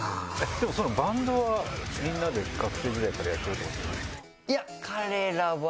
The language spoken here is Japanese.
でもバンドはみんなで学生時代からやってるってことじゃ。